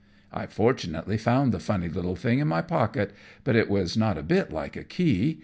I fortunately found the funny little thing in my pocket, but it was not a bit like a key.